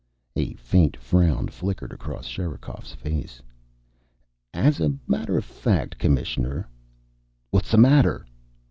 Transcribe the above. A faint frown flickered across Sherikov's face. "As a matter of fact, Commissioner " "What's the matter?"